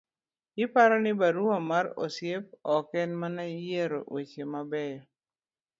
ipar pile ni barua mar osiep ok en mana yiero weche mabeyo